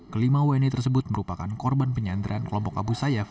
kelima wni tersebut merupakan korban penyanderaan kelompok abu sayyaf